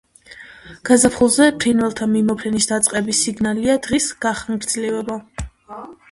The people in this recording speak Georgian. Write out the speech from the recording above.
გაზაფხულზე ფრინველთა მიმოფრენის დაწყების სიგნალია დღის გახანგრძლივება.